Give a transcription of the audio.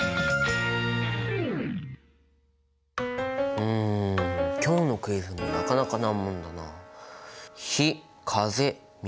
うん今日のクイズもなかなか難問だなあ。